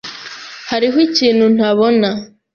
Hariho ikintu ntabona.